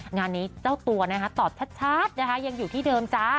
งานนี้เจ้าตัวนะคะตอบชัดนะคะยังอยู่ที่เดิมจ้า